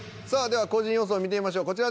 さあでは個人予想を見てみましょう。